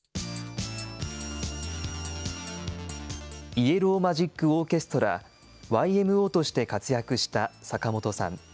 イエロー・マジック・オーケストラ・ＹＭＯとして活躍した坂本さん。